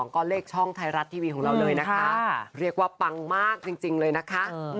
ก็เลขช่องไทยรัฐทีวีของเราเลยนะคะเรียกว่าปังมากจริงเลยนะคะ